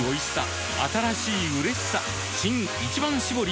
新「一番搾り」